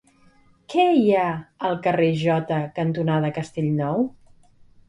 Què hi ha al carrer Jota cantonada Castellnou?